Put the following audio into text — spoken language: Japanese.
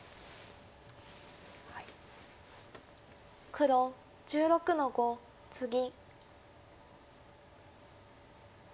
黒１６の五ツギ。